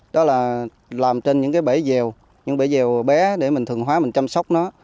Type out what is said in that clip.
đó là làm trên những cái bể dèo những bể dèo bé để mình thường hóa mình chăm sóc nó